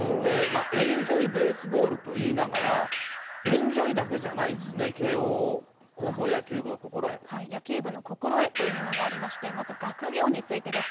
エンジョイベースボールと言いながら、エンジョイだけじゃないんですね、野球部の心得というものがありまして、まず学業についてです。